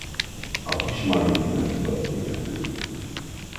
A kis Mari nem tudott németül.